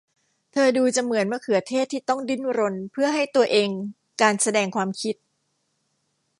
เธอดูเหมือนมะเขือเทศที่ต้องดิ้นรนเพื่อให้ตัวเองการแสดงความคิด